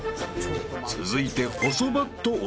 ［続いて］